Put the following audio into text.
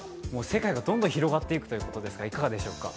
世界がどんどん広がっていくということですが、いかがですか。